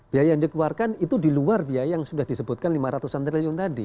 biaya yang dikeluarkan itu di luar biaya yang sudah disebutkan lima ratus an triliun tadi